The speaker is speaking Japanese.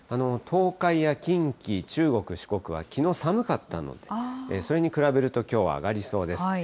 東海や近畿、中国、四国はきのう寒かったので、それに比べるときょうは上がりそうです。